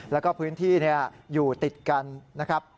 แล้วก็พื้นที่อยู่ติดกันนะครับ